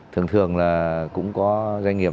thường thường là cũng có doanh nghiệp